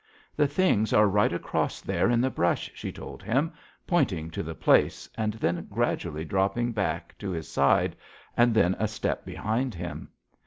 'The things are right across there in the brush,' she told him, pointing to the place, and then gradually dropped back to his side, and then a step behind him.